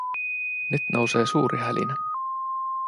Nyt nousee suuri hälinä.